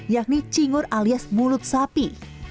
yakni cingur alias mulut sapi